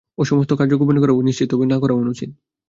ও-সমস্ত কার্য গোপনে করা উচিত নিশ্চিত, তবে না করাও অনুচিত।